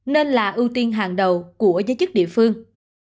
nên là ưu tiên hàng đầu của giới chức địa phương